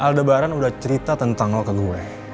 aldebaran udah cerita tentang lo ke gue